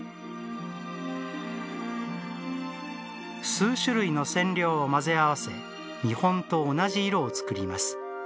数種類の染料を混ぜ合わせ見本と同じ色を作ります。